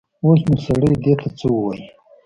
اوس نو سړی ده ته څه ووايي.